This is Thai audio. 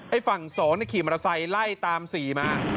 ไอ้ฝั่ง๒เนี่ยขี่มอเตอร์ไซค์ไล่ตาม๔มา